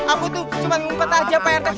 aku tuh cuma ngumpet aja pak rete